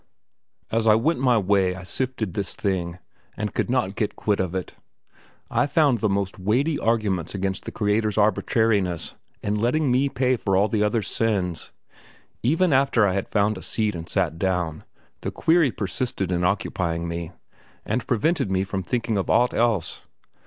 As I went my way I sifted this thing, and could not get quit of it. I found the most weighty arguments against the Creator's arbitrariness in letting me pay for all the others' sins. Even after I had found a seat and sat down, the query persisted in occupying me, and prevented me from thinking of aught else.